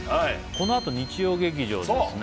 このあと日曜劇場でですね